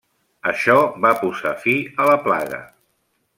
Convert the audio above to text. Això va posar fi a la plaga.